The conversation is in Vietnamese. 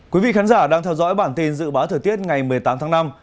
quý vị khán giả đang theo dõi bản tin dự báo thời tiết ngày một mươi tám tháng năm